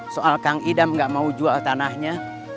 soal kang idam gak mau jual tanahnya